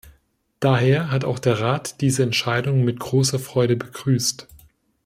Daher hat auch der Rat diese Entscheidung mit großer Freude begrüßt.